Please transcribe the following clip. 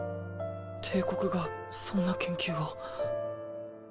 帝国がそんな研究を。